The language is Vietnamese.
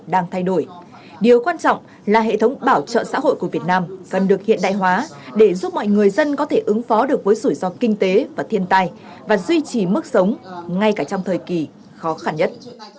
điều quan trọng là hệ thống bảo trợ xã hội của việt nam cần được hiện đại hóa để giúp mọi người dân có thể ứng phó được với rủi ro kinh tế và thiên tai và duy trì mức sống ngay cả trong thời kỳ khó khăn nhất